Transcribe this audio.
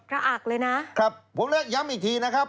อักเลยนะครับผมเลยย้ำอีกทีนะครับ